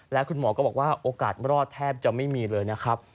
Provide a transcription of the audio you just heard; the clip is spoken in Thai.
และคุณหมอก็บอกว่าโอกาสรอดแทบจะไม่มีเลยนะครับ